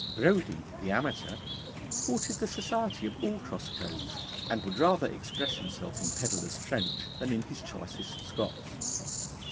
Brodie, the amateur, courted the society of all cross coves, and would rather express himself in Pedlar's French than in his choicest Scots.